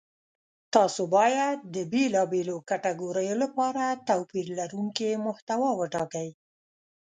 تاسو باید د بېلابېلو کتګوریو لپاره توپیر لرونکې محتوا وټاکئ.